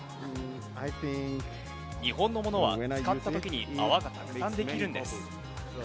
日本のものは、使ったときに泡がたくさんできるんです。